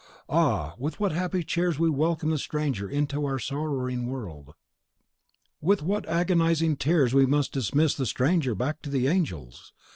Ah, with what happy tears we welcome the stranger into our sorrowing world! With what agonising tears we dismiss the stranger back to the angels!